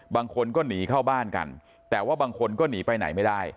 บางคนก็หนีเข้าบ้านกันแต่ว่าบางคนก็หนีไปไหนไม่ได้